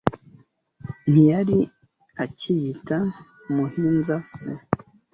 Ntiyari acyiyita umuhinza se